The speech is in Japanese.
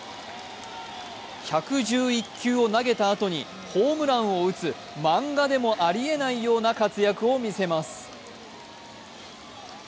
１１１球を投げたあとにホームランを打つ漫画でもあり得ないような活躍を見せます。